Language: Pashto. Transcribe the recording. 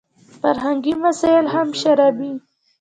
فرهنګي مسایل هم شاربي.